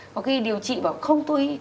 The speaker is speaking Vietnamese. có khi điều trị bảo không tôi